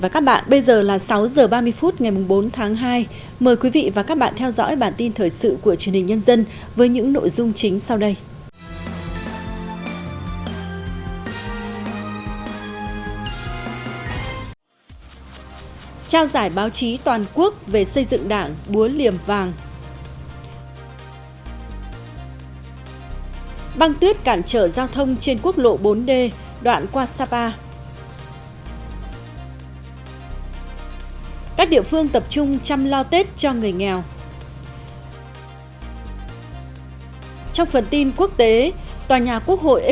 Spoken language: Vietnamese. các bạn hãy đăng ký kênh để ủng hộ kênh của chúng mình nhé